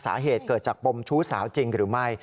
สาเหตุเกิดจากปมชู้สาวจริงหรือไม่